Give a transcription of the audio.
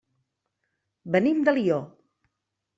Venim d'Alió.